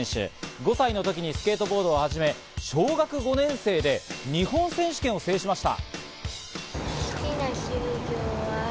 ５歳の時にスケートボードを始め、小学５年生で日本選手権を制しました。